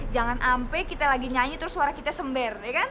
jangan ampe kita lagi nyanyi terus suara kita sember ya kan